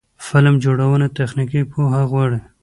فلم جوړونه تخنیکي پوهه غواړي.